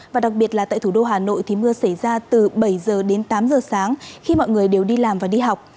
và đặc biệt là tại thủ đô hà nội mưa xảy ra từ bảy h đến tám h sáng khi mọi người đều đi làm và đi học